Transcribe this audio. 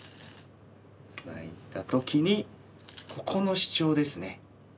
ツナいだ時にここのシチョウですね。